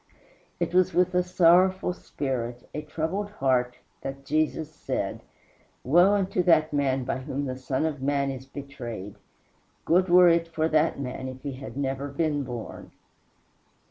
It was with a sorrowful spirit, a troubled heart, that Jesus said, "Woe unto that man by whom the Son of man is betrayed: good were it for that man if he never had been born."